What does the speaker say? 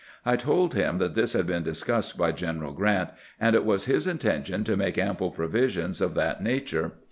I told 294 CAMPAIGNING WITH GEANT Mm that this had been discussed by General Grant, and it was his intention to make ample provisions of that nature.